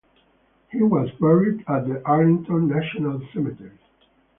He was buried at the Arlington National Cemetery.